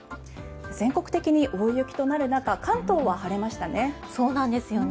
全国的に大雪となる中関東は晴れましたよね。